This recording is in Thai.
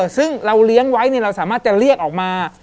ซึ่งเราเลี้ยงไว้เราสามารถจะเรียกออกมา